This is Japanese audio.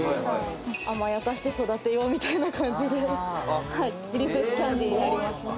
甘やかして育てようみたいな感じでプリンセスキャンディになりました。